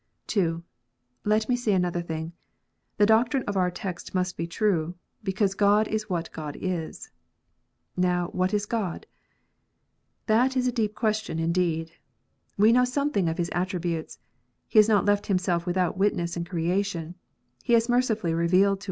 (2) Let me say another thing. The doctrine of our text must be true, because God is u liat God is. Now what is God 1 That is a deep question indeed. We know something of His attributes : He has not left Himself without witness in creation; He has mercifully revealed to.